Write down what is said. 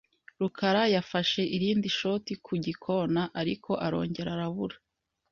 rukarayafashe irindi shoti ku gikona, ariko arongera arabura.